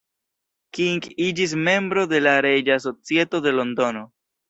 King iĝis membro de la Reĝa Societo de Londono.